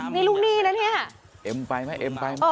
นี่ลูกหนี้นะเนี่ย